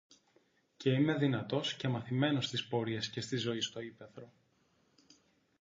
Και είμαι δυνατός και μαθημένος στις πορείες και στη ζωή στο ύπαιθρο.